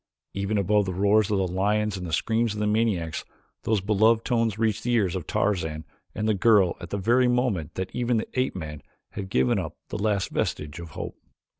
Even above the roars of the lions and the screams of the maniacs, those beloved tones reached the ears of Tarzan and the girl at the very moment that even the ape man had given up the last vestige of hope.